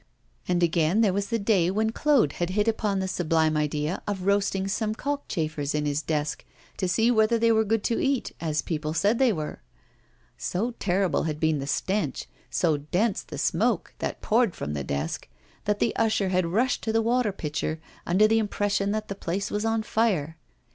And again there was the day when Claude had hit upon the sublime idea of roasting some cockchafers in his desk to see whether they were good to eat, as people said they were. So terrible had been the stench, so dense the smoke that poured from the desk, that the usher had rushed to the water pitcher, under the impression that the place was on fire.